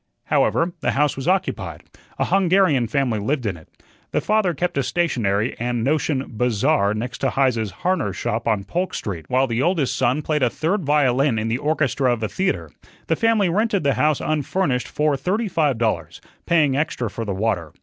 However, the house was occupied. A Hungarian family lived in it. The father kept a stationery and notion "bazaar" next to Heise's harness shop on Polk Street, while the oldest son played a third violin in the orchestra of a theatre. The family rented the house unfurnished for thirty five dollars, paying extra for the water.